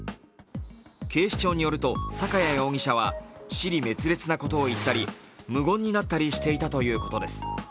警視庁によると坂屋容疑者は支離滅裂なことを言ったり無言になったりしていたということです。